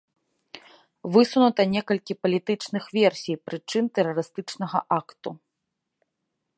Высунута некалькі палітычных версій прычын тэрарыстычнага акту.